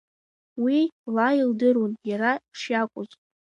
Уи ла илдыруан, иара шиакәыз.